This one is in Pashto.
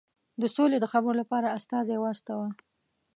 د سولي د خبرو لپاره استازی واستاوه.